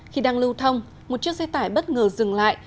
khi đang lưu thông một chiếc xe tải bất ngờ dừng lại